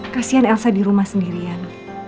kasihan elsa dirumah sendirian